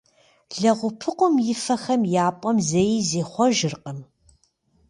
Лэгъупыкъум и фэхэм я пӏэм зэи зихъуэжыркъым.